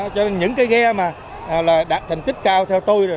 cho nên những cái ghe mà đạt thành tích cao theo tôi